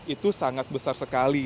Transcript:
itu sangat besar sekali